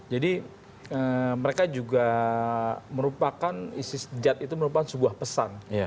jadi mereka juga merupakan isi jad itu merupakan sebuah pesan